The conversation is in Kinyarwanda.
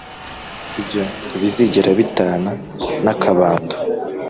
ibyo ntibizigera bitana n'akabando.